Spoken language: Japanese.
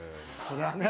それはね。